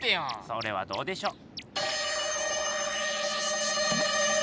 それはどうでしょう？